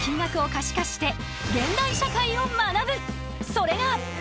それが。